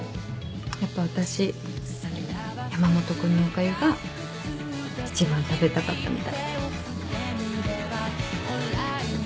やっぱ私山本君のおかゆが一番食べたかったみたい。